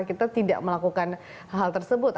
kita tidak melakukan hal tersebut